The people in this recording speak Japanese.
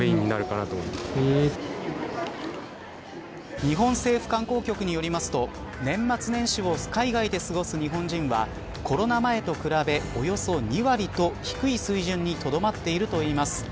日本政府観光局によりますと年末年始を海外で過ごす日本人はコロナ前と比べおよそ２割と、低い水準にとどまっているといいます。